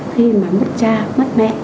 khi mà mất cha mất mẹ